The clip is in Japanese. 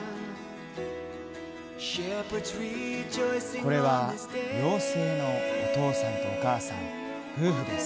これは妖精のお父さんとお母さん、夫婦です。